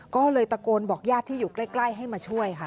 ก็เลยตะโกนบอกญาติที่อยู่ใกล้ให้มาช่วยค่ะ